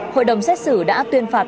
hội đồng xét xử đã tuyên phạt